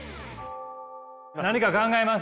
何か考えます？